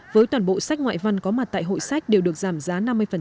với toàn bộ sách ngoại văn có mặt tại hội sách đều được giảm giá năm mươi